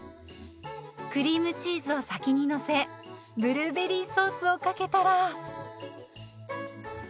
クリームチーズを先にのせブルーベリーソースをかけたら。